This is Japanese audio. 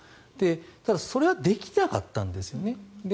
ただ、それはできなかったんですよね。